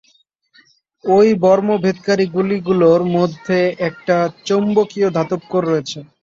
ঐ বর্ম-ভেদকারী গুলিগুলোর মধ্যে একটা চৌম্বকীয় ধাতব কোর রয়েছে।